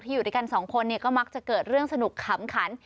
อยู่ด้วยกันสองคนเนี่ยก็มักจะเกิดเรื่องสนุกขำขัน